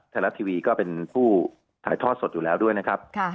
ไทยรัฐทีวีก็เป็นผู้ถ่ายทอดสดอยู่แล้วด้วยนะครับ